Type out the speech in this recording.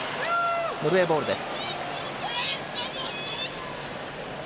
ノルウェーボールです。